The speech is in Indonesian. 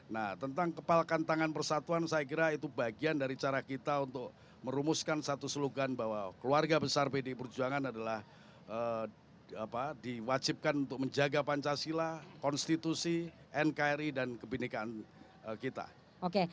nah tentang kepalkan tangan persatuan saya kira itu bagian dari cara kita untuk merumuskan satu slogan bahwa keluarga besar pdi perjuangan adalah diwajibkan untuk menjaga pancasila konstitusi nkri dan kebenekaan kita